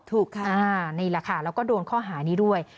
ถูกค่ะนี่แหละค่ะแล้วก็โดนข้อหานี้ด้วย